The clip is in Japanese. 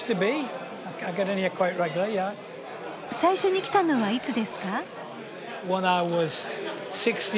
最初に来たのはいつですか？